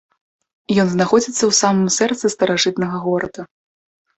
Ён знаходзіцца ў самым сэрцы старажытнага горада.